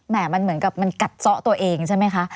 มันเหมือนกับมันกัดซะตัวเองใช่ไหมคะ